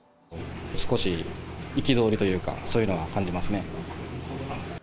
少し憤りというか、そういうのは感じますね。